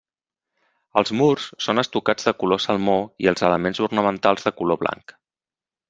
Els murs són estucats de color salmó i els elements ornamentals de color blanc.